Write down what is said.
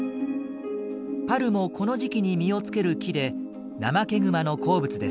パルもこの時期に実を付ける木でナマケグマの好物です。